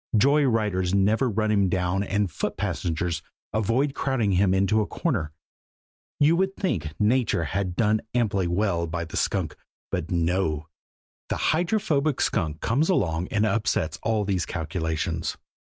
Joy riders never run him down and foot passengers avoid crowding him into a corner. You would think Nature had done amply well by the skunk; but no the Hydrophobic Skunk comes along and upsets all these calculations.